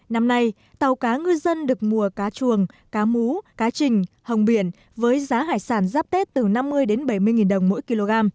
năm nay tàu cá ngư dân được mùa cá chuồng cá mú cá trình hồng biển với giá hải sản giáp tết từ năm mươi đến bảy mươi nghìn đồng mỗi kg